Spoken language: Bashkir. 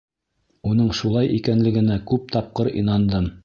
Уның шулай икәнлегенә күп тапҡыр инандым.